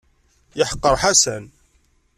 Yeḥqer Ḥasan.